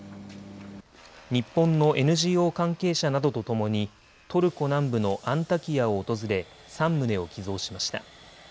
日本のＮＧＯ関係者などとともにトルコ南部のアンタキヤを訪れ３棟を寄贈しました。